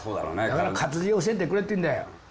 だから活字を教えてくれって言うんだよ。